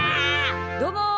どうも。